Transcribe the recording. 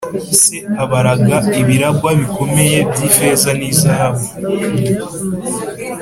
Se abaraga ibiragwa bikomeye by ifeza n izahabu